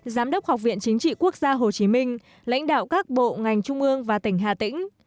giám đốc học viện chính trị quốc gia hồ chí minh lãnh đạo các bộ ngành trung ương và tỉnh hà tĩnh